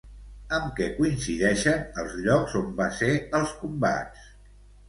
Amb què coincideixen els llocs on va ser els combats?